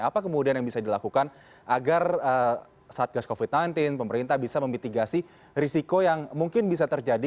apa kemudian yang bisa dilakukan agar saat gas covid sembilan belas pemerintah bisa memitigasi risiko yang mungkin bisa terjadi